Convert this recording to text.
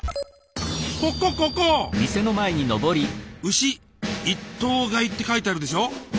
「牛一頭買い」って書いてあるでしょ。